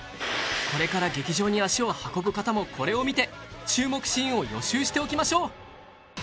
これから劇場に足を運ぶ方もこれを見て注目シーンを予習しておきましょう